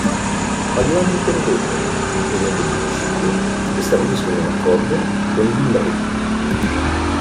Ma gli umani intervengono, impedendo il genocidio, e stabiliscono un accordo con gli mri.